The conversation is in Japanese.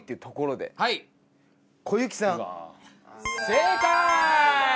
正解！